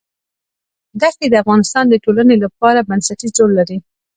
دښتې د افغانستان د ټولنې لپاره بنسټيز رول لري.